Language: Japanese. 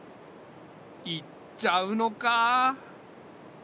行っちゃうのか。